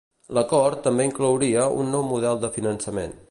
L'acord també inclouria un nou model de finançament.